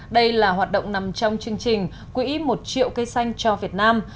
đây là hoạt động nằm trong chương trình quỹ một triệu cây xanh cho việt nam